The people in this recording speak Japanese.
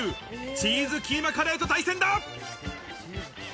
チーズキーマカレーと対戦だ！